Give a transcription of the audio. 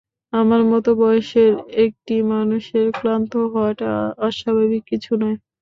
আমার মতো বয়সের একটি মানুষের ক্লান্ত হওয়াটা অস্বাভাবিক কিছু নয়।